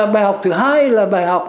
bài học thứ hai là bài học